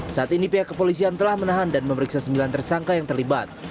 saat ini pihak kepolisian telah menahan dan memeriksa sembilan tersangka yang terlibat